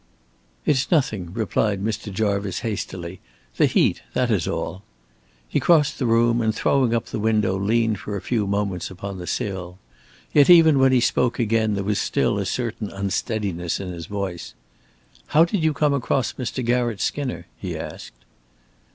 "It's nothing," replied Mr. Jarvice, hastily. "The heat, that is all." He crossed the room, and throwing up the window leaned for a few moments upon the sill. Yet even when he spoke again, there was still a certain unsteadiness in his voice. "How did you come across Mr. Garratt Skinner?" he asked.